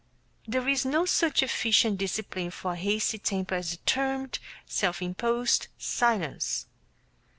There is no such efficient discipline for a hasty temper as determined, self imposed silence.